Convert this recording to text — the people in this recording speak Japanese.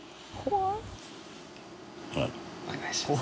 お願いします。